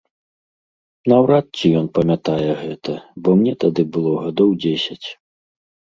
Наўрад ці ён памятае гэта, бо мне тады было гадоў дзесяць.